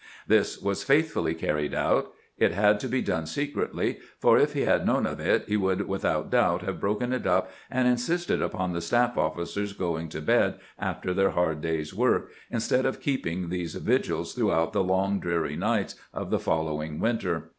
This was faithfully carried out. It had to be done secretly, for if he had known of it he would without doubt have broken it up and insisted upon the staff officers going to bed after their hard day's work, instead of keeping these vigils throughout the long, dreary nights of the following winter.